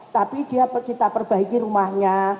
tapi kita perbaiki rumahnya